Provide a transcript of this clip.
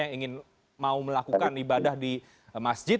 yang ingin mau melakukan ibadah di masjid